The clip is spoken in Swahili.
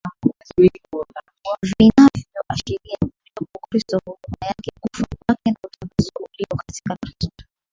vinavyoashiria Kuja kwa Kristo Huduma yake kufa kwake na utakaso ulio katika Kristo